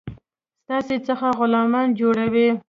ستاسي څخه غلامان جوړوي.